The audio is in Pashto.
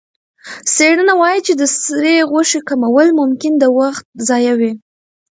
څېړنه وايي چې د سرې غوښې کمول ممکن د وخت ضایع وي.